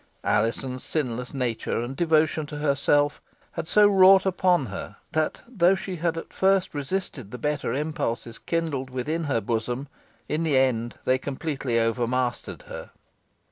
Alizon's sinless nature and devotion to herself had so wrought upon her, that, though she had at first resisted the better impulses kindled within her bosom, in the end they completely overmastered her.